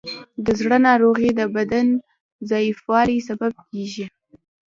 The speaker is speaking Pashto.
د زړه ناروغۍ د بدن ضعیفوالی سبب کېږي.